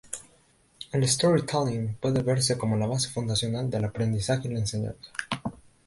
El "storytelling" puede verse como la base fundacional del aprendizaje y la enseñanza.